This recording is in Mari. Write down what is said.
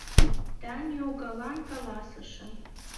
Да ньогалан каласышым: